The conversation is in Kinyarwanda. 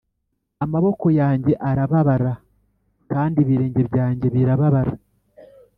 amaboko yanjye arababara kandi ibirenge byanjye birababara;